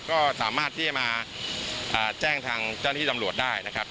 ก็สามารถที่จะมาแจ้งทางเจ้าหน้าที่ตำรวจได้นะครับ